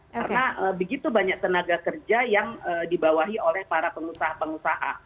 karena begitu banyak tenaga kerja yang dibawahi oleh para pengusaha pengusaha